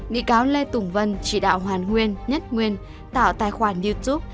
vị cáo lê thu vân chỉ đạo hoàn nguyên nhất nguyên tạo tài khoản youtube